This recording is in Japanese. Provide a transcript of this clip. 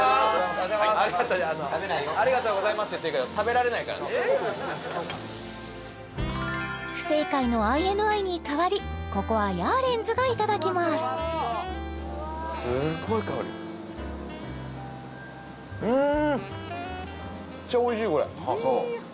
「ありがとうございます」って言ってるけど不正解のＩＮＩに代わりここはヤーレンズがいただきますうん！